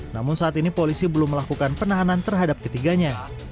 namun saat ini polisi belum melakukan penahanan terhadap ketiganya